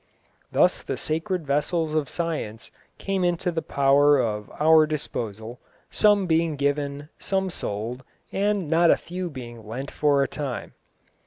Thus the sacred vessels of science came into the power of our disposal, some being given, some sold, and not a few lent for a time."